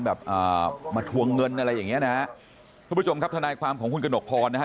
แบบมาทวงเงินอะไรอย่างนี้นะครับคุณผู้ชมครับทนายความของคุณกนกพรนะฮะ